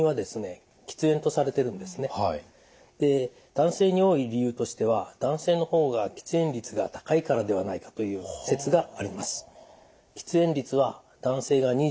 男性に多い理由としては男性の方が喫煙率が高いからではないかという説があります。